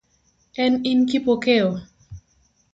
En in Kipokeo?